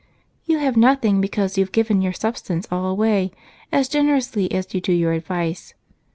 "You have nothing because you've given your substance all away as generously as you do your advice.